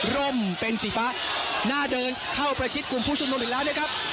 ร่มเป็นสีฟ้าหน้าเดินเข้าประชิดกลุ่มผู้ชุมนุมอีกแล้วนะครับ